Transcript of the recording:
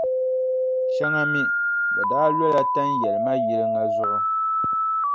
Shɛŋa mi, bɛ daa lola tanʼ yɛlima yili ŋa zuɣu.